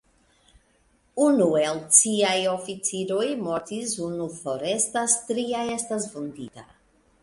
Unu el ciaj oficiroj mortis, unu forestas, tria estas vundita.